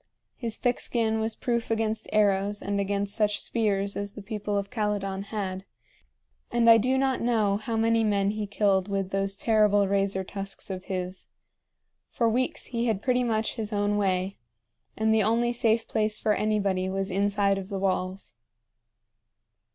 His thick skin was proof against arrows and against such spears as the people of Calydon had; and I do not know how many men he killed with those terrible razor tusks of his. For weeks he had pretty much his own way, and the only safe place for anybody was inside of the walls.